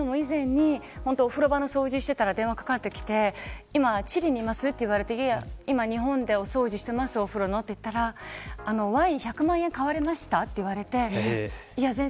というのも以前に、お風呂場の掃除していたら電話がかかってきて今、チリにいますかと聞かれていえ、今日本でお掃除してますと言ったらワイン１００万円買われましたと聞かれて。